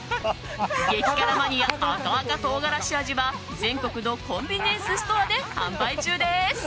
激辛マニア赤赤とうがらし味は全国のコンビニエンスストアで販売中です。